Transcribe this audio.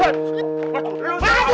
aduh kemana lu